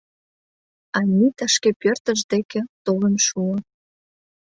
Анита шке пӧртышт деке толын шуо.